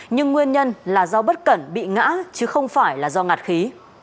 nhưng nguyên nhân là do bất cẩn bị ngã chứ không phải là do ngạt khí